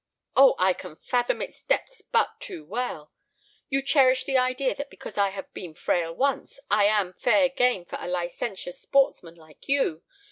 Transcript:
Oh! I can fathom its depths but too well. You cherish the idea that because I have been frail once, I am fair game for a licentious sportsman like you.